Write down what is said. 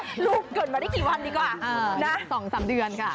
๒๓เดือนค่ะ